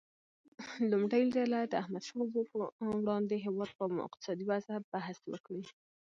لومړۍ ډله دې د احمدشاه بابا وړاندې هیواد په اقتصادي وضعه بحث وکړي.